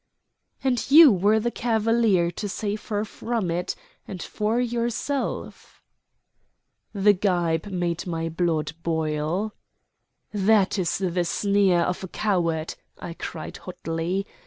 "And you were the cavalier to save her from it and for yourself." The gibe made my blood boil. "That is the sneer of a coward," I cried hotly.